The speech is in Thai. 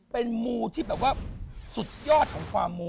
เป็นมูที่แบบว่าสุดยอดของความมู